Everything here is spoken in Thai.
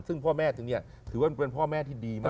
ซึ่งพ่อแม่จึงเนี่ยถือว่าเป็นพ่อแม่ที่ดีมาก